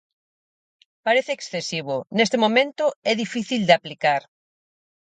Parece excesivo, neste momento é difícil de aplicar.